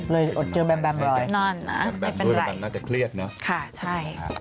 เลยอดเจอแบมเลยไม่เป็นไรค่ะใช่